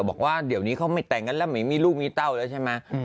บอกว่าเดี๋ยวนี้เขาไม่แต่งกันแล้วไม่มีลูกมีเต้าแล้วใช่ไหม